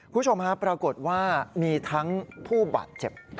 คุณผู้ชมฮะปรากฏว่ามีทั้งผู้บาดเจ็บ